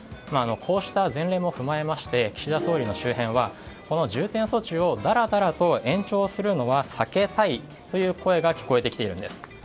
こうした前例も踏まえまして岸田総理の周辺はこの重点措置をだらだらと延長するのは避けたいという声が聞こえてきているんです。